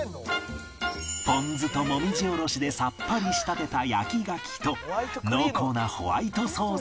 ポン酢ともみじおろしでさっぱり仕立てた焼き牡蠣と濃厚なホワイトソースのひと品